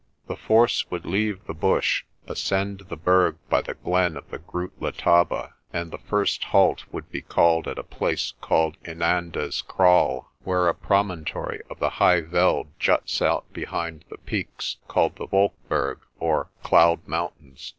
The force would leave the bush, ascend the Berg by the glen of the Groot Letaba, and the first halt would be called at a place called Inanda's Kraal, where a promontory of the high veld juts out behind the peaks called the Wolkberg or Cloud Mountains.